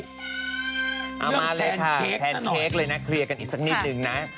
เอามาเลยค่ะแพนเค้กเลยนะเคลียร์กันอีกสักนิดนึงนะ